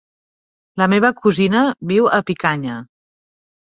La meva cosina viu a Picanya.